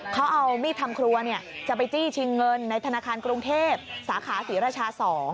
เขาเอามีดทำครัวจะไปจี้ชิงเงินในธนาคารกรุงเทพสาขาศรีราชา๒